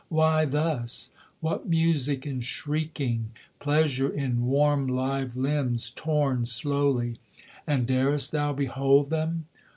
Why thus? What music in shrieking, Pleasure in warm live limbs torn slowly? And dar'st thou behold them!